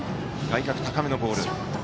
外角高めのボール。